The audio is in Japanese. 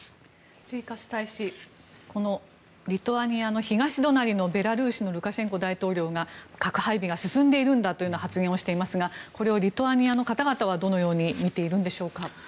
ジーカス大使リトアニアの東隣のベラルーシのルカシェンコ大統領が核配備が進んでいるんだという発言をしていますがこれをリトアニアの方々はどのように見ているのでしょうか。